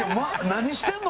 何してるの？